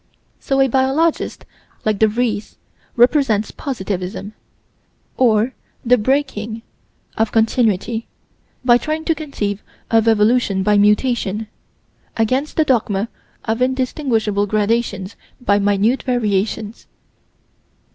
So a biologist like De Vries represents positivism, or the breaking of Continuity, by trying to conceive of evolution by mutation against the dogma of indistinguishable gradations by "minute variations."